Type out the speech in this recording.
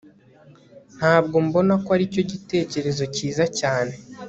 ntabwo mbona ko aricyo gitekerezo cyiza cyane